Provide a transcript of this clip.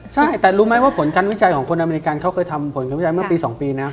ใช่แต่รู้ไหมว่าผลการวิจัยของคนอเมริกันเขาเคยทำผลคำวิจัยเมื่อปี๒ปีนะ